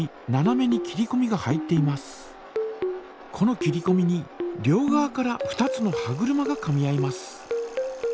この切りこみに両側から２つの歯車がかみ合います。